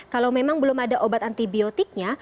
kalau memang belum ada obat antibiotiknya